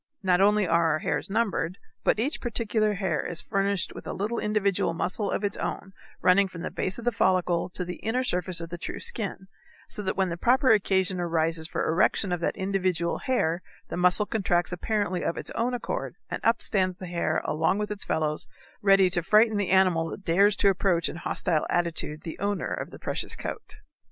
Not only are our hairs numbered, but each particular hair is furnished with a little individual muscle of its own running from the base of the follicle to the inner surface of the true skin, so that when the proper occasion arises for erection of that individual hair the muscle contracts apparently of its own accord, and up stands the hair along with its fellows, ready to frighten the animal that dares to approach in hostile attitude the owner of the precious coat.